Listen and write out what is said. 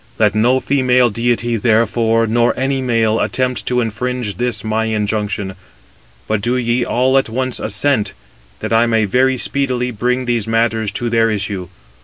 Let no female deity, therefore, nor any male, attempt to infringe this my injunction; but do ye all at once assent, that I may very speedily bring these matters to their issue.